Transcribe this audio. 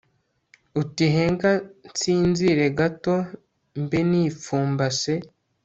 uti henga nsinzire gato, mbe nipfumbase